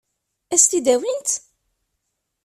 Ad s-t-id-awint?